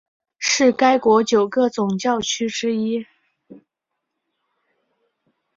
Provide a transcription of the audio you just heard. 是该国九个总教区之一。